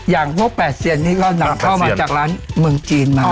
อย่างพวกแปดเซียนนี่ก็หนักเข้ามาจากร้านเมืองจีนมาอ๋อ